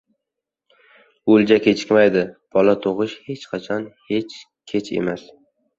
• O‘lja kechikmaydi, bola tug‘ish hech qachon kech emas.